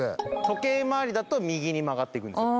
時計回りだと右に曲がっていくんです。